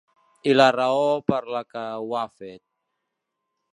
I la raó per la que ho he fet.